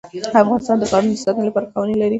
افغانستان د ښارونو د ساتنې لپاره قوانین لري.